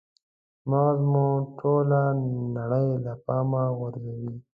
مغز مو ټوله نړۍ له پامه غورځوي.